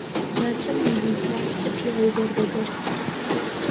جا چ نەی بیکا چ پیاوی دەربەدەر